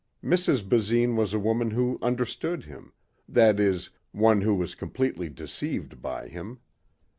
Mrs Basine was a woman who understood him, that is, one who was completely deceived by him.